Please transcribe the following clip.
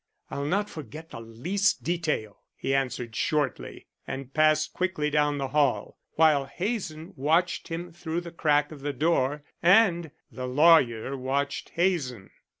"I'll not forget the least detail," he answered shortly, and passed quickly down the hall, while Hazen watched him through the crack of the door, and the lawyer watched Hazen.